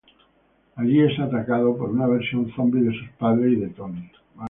Allí es atacado por una versión zombie de sus padres y de Tony.